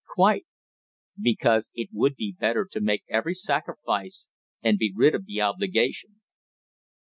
"Quite." "Because it would be better to make every sacrifice and be rid of the obligation."